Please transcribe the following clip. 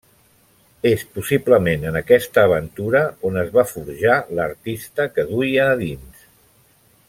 És possiblement en aquesta aventura on es va forjar l'artista que duia a dins.